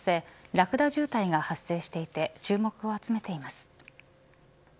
ラクダ渋滞が発生していて注目を集めています。